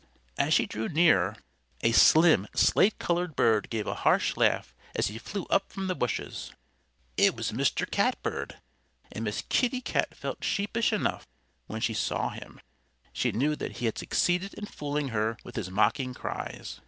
As she drew near, a slim slate colored bird gave a harsh laugh as he flew up from the bushes. It was Mr. Catbird. And Miss Kitty Cat felt sheepish enough when she saw him. She knew that he had succeeded in fooling her with his mocking cries.